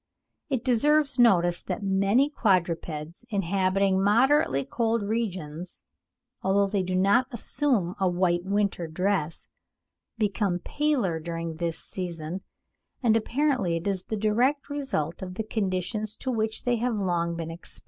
It deserves notice that many quadrupeds inhabiting moderately cold regions, although they do not assume a white winter dress, become paler during this season; and this apparently is the direct result of the conditions to which they have long been exposed.